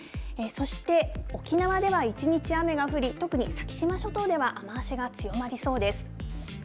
そして、沖縄では一日雨が降り、特に先島諸島では雨足が強まりそうです。